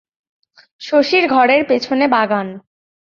শশীর ঘরের পিছনে বাগান।